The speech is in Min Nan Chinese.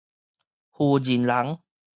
婦人人